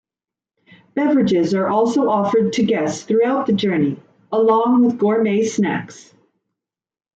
Beverages are also offered to guests throughout the journey, along with gourmet snacks.